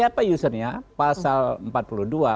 kalau kita lihat